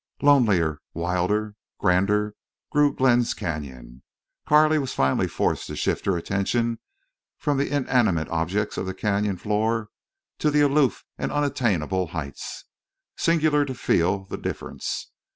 Lonelier, wilder, grander grew Glenn's canyon. Carley was finally forced to shift her attention from the intimate objects of the canyon floor to the aloof and unattainable heights. Singular to feel the difference!